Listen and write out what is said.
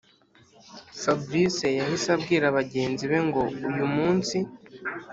fabric yahise abwira bagenzi be ngo uyumunsi